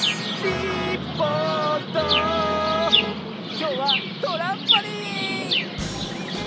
きょうはトランポリン！